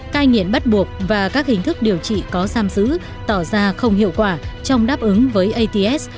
cai nghiện bắt buộc và các hình thức điều trị có giam giữ tỏ ra không hiệu quả trong đáp ứng với ats